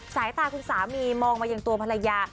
สายตาคุณสามีมองมาอย่างตัวภรรยา